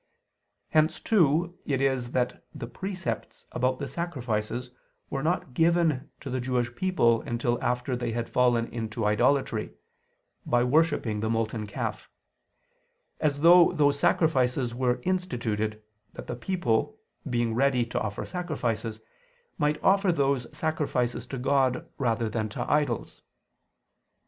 Hence too it is that the precepts about the sacrifices were not given to the Jewish people until after they had fallen into idolatry, by worshipping the molten calf: as though those sacrifices were instituted, that the people, being ready to offer sacrifices, might offer those sacrifices to God rather than to idols.